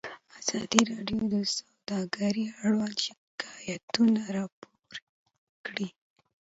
ازادي راډیو د سوداګري اړوند شکایتونه راپور کړي.